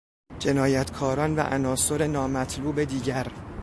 جنایتکاران و عناصر نامطلوب دیگر